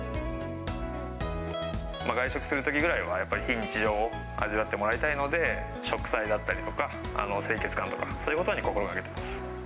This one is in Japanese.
外食するときぐらいはやっぱり非日常を味わってもらいたいので、植栽だったりとか、清潔感とか、そういうことに心がけています。